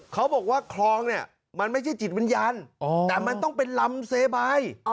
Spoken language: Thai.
เขาบอกว่าคลองเนี่ยมันไม่ใช่จิตวิญญาณแต่มันต้องเป็นลำเซบาย